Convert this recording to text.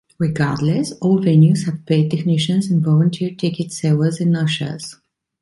Regardless, all venues have paid technicians and volunteer ticket sellers and ushers.